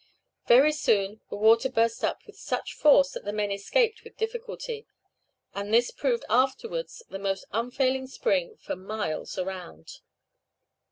Very soon the water burst up with such force that the men escaped with difficulty; and this proved afterwards the most unfailing spring for miles round.